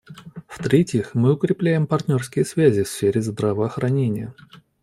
В-третьих, мы укрепляем партнерские связи в сфере здравоохранения.